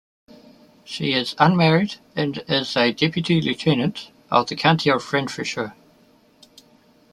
She is unmarried and is a Deputy Lieutenant of the County of Renfrewshire.